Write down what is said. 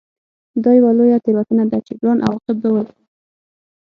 دا یوه لویه تېروتنه ده چې ګران عواقب به ولري